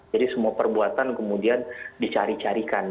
jadi semua perbuatan kemudian dicari carikan